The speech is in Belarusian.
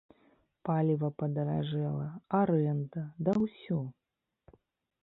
Паліва падаражэла, арэнда, да ўсё!